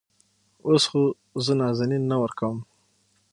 اوس خو زه نازنين نه ورکوم.